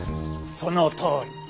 そのとおり。